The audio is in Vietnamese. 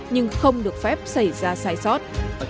nhưng không được phép xảy ra sai sót